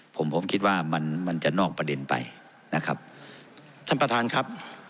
ผมผมคิดว่ามันมันจะนอกประเด็นไปนะครับท่านประธานครับ